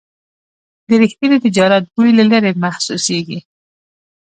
د رښتیني تجارت بوی له لرې محسوسېږي.